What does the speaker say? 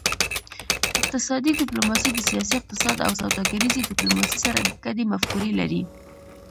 اقتصادي ډیپلوماسي د سیاسي اقتصاد او سوداګریزې ډیپلوماسي سره ګډې مفکورې لري